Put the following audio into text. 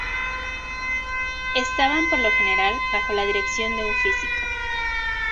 Estaban por lo general bajo la dirección de un físico.